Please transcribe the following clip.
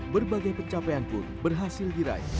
berbagai pencapaian pun berhasil diraih